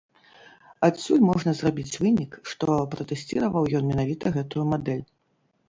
Адсюль можна зрабіць вынік, што пратэсціраваў ён менавіта гэтую мадэль.